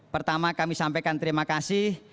pertama kami sampaikan terima kasih